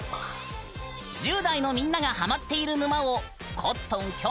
１０代のみんながハマっている沼をコットンきょ